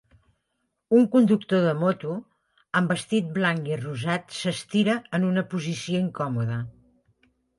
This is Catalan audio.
Un conductor de moto amb vestit blanc i rosat s'estira en una posició incòmoda.